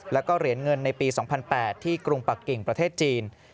แล้วก็เหรียญเงินในปี๒๐๐๘ที่กรุงปักกิ่งประเทศจีน